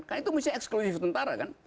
kan itu musti eksklusif tentara kan